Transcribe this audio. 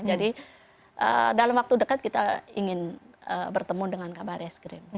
jadi dalam waktu dekat kita ingin bertemu dengan kbrs krim